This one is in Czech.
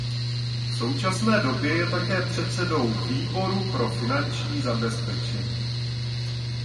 V současné době je také předsedou Výboru pro finanční zabezpečení.